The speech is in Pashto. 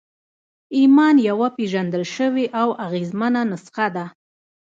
ایمان یوه پېژندل شوې او اغېزمنه نسخه ده